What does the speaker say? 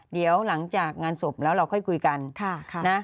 เดี๋ยวหลังจากงานศพแล้วเราค่อยคุยกัน